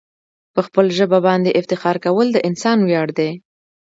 په خپل ژبه باندي افتخار کول د انسان ویاړ دی.